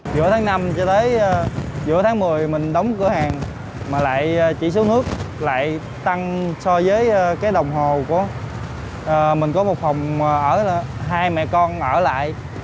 giữa tháng một mươi mình đóng cửa hàng mà lại chỉ số nước lại tăng so với cái đồng hồ của mình có một phòng hai mẹ con ở lại